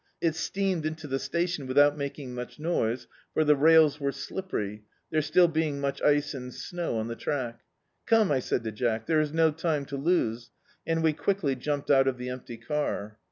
It steamed into the station without making much noise, for the rails were slippery, there still being much ice and snow on the track. "Come," I said to Jack, "there is no time to lose;" and we quickly jumped out of the empty car.